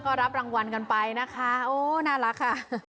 ก็รับรางวัลกันไปนะคะโอ้น่ารักค่ะ